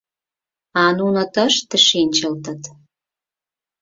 А нуно тыште шинчылтыт.